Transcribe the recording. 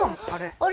あれ？